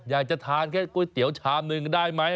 อยากจะทานแค่ก๋วยเตี๋ยวชามหนึ่งได้ไหม